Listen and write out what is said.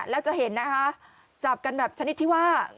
แล้วจะเห็นนะคะจับกันแบบชนิดที่ว่า